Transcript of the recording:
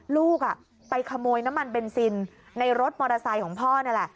ลูกไปขโมยน้ำมันเบนซินในรถมอเตอร์ไซค์ของพ่อนี่แหละ